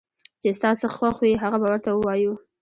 چې ستا څه خوښ وي هغه به ورته ووايو